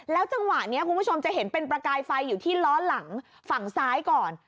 จังหวะนี้คุณผู้ชมจะเห็นเป็นประกายไฟอยู่ที่ล้อหลังฝั่งซ้ายก่อน